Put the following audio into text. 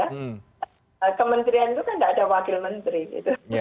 zamannya orang baru aja ya